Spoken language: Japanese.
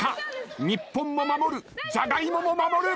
日本も守る。